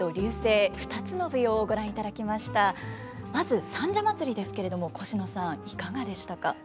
まず「三社祭」ですけれどもコシノさんいかがでしたか？